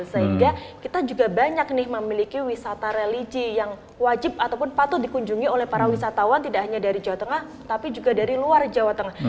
sehingga kita juga banyak nih memiliki wisata religi yang wajib ataupun patut dikunjungi oleh para wisatawan tidak hanya dari jawa tengah tapi juga dari luar jawa tengah